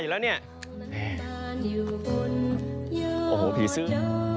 อุ๊ยพี่ซื่อ